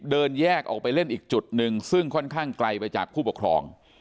เดินแยกออกไปเล่นอีกจุดหนึ่งซึ่งค่อนข้างไกลไปจากผู้ปกครอง